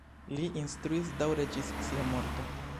Li instruis daŭre ĝis sia morto.